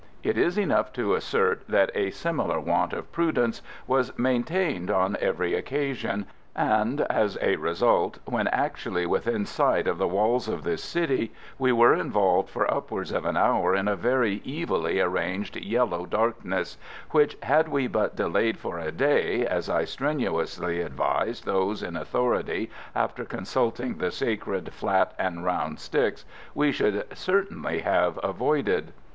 It is enough to assert that a similar want of prudence was maintained on every occasion, and, as a result, when actually within sight of the walls of this city, we were involved for upwards of an hour in a very evilly arranged yellow darkness, which, had we but delayed for a day, as I strenuously advised those in authority after consulting the Sacred Flat and Round Sticks, we should certainly have avoided.